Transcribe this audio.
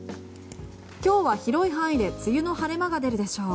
今日は広い範囲で梅雨の晴れ間が出るでしょう。